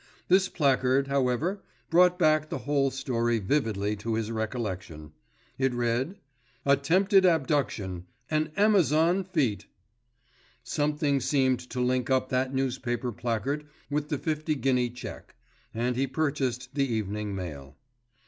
This placard, however, brought back the whole story vividly to his recollection. It read ATTEMPTED ABDUCTION AN AMAZON FEAT Something seemed to link up that newspaper placard with the fifty guinea cheque, and he purchased The Evening Mail.